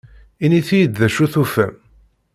Init-iyi-d d acu tufam.